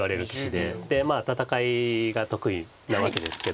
で戦いが得意なわけですけど。